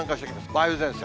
梅雨前線。